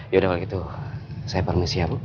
yaudah kalau gitu saya permisi ya bu